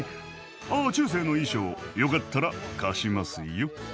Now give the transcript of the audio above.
あ中世の衣装よかったら貸しますよ！